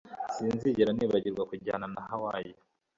Sinzigera nibagirwa kujyana na Hawaii